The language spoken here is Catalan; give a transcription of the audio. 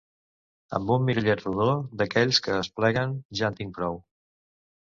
Amb un mirallet rodó d'aquells que es pleguen ja en tinc prou.